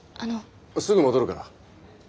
すぐ戻るから。